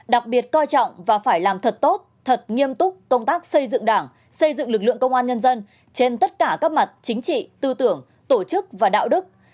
đặc biệt coi trọng và phải làm thật tốt thật nghiêm túc công tác xây dựng đảng xây dựng lực lượng công an nhân dân trên tất cả các mặt chính trị tư tưởng tổ chức và đạo đức